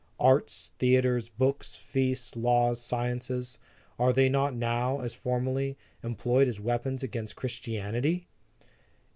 Arts, theatres, books, feasts, laws,, sciences, are they not now, as formerly, employed as weap ons against Christianity?